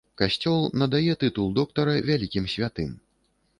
Касцёл надае тытул доктара вялікім святым.